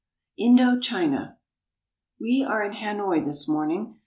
INDO CHINA WE are in Hanoi this morning.